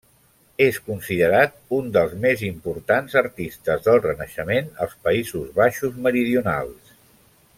És considerat un dels més importants artistes de renaixement als Països Baixos meridionals.